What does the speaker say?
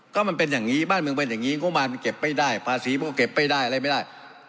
ก็มันเป็นอย่างนี้บ้านเมืองเป็นอย่างนี้งบมารเก็บไม่ได้ภาษีมันก็เก็บไม่ได้อะไรไม่ได้